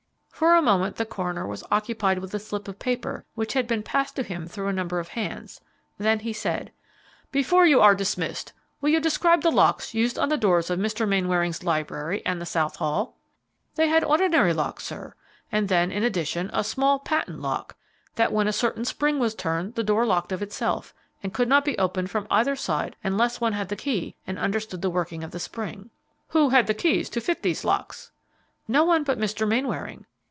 For a moment the coroner was occupied with a slip of paper which had been passed to him through a number of hands; then he said, "Before you are dismissed, will you describe the locks used on the doors of Mr. Mainwaring's library and the south hall." "They had the ordinary locks, sir; and then, in addition, a small, patent lock, that when a certain spring was turned the door locked of itself and could not be opened from either side unless one had the key and understood the working of the spring." "Who had keys to fit these locks?" "No one but Mr. Mainwaring.